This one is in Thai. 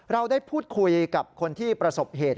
เราได้พูดคุยกับคนที่ประสบเหตุ